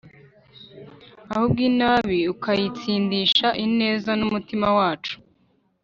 ahubwo inabi ukayitsindisha ineza mumutima wacu